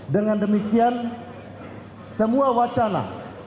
dengan demikian semua wacana